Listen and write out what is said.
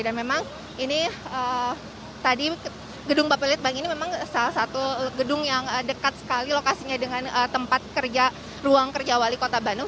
dan memang ini tadi gedung bapak lidbang ini memang salah satu gedung yang dekat sekali lokasinya dengan tempat kerja ruang kerja wali kota bandung